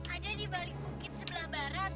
ada di balik bukit sebelah barat